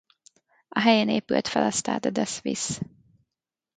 A helyén épült fel a Stade de Suisse.